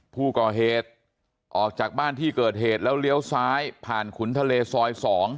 ผู้ก่อเหตุออกจากบ้านที่เกิดเหตุแล้วเลี้ยวซ้ายผ่านขุนทะเลซอย๒